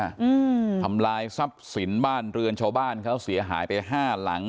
อืมทำลายทรัพย์สินบ้านเรือนชาวบ้านเขาเสียหายไปห้าหลัง